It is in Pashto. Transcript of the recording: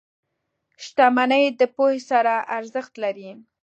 • شتمني د پوهې سره ارزښت لري.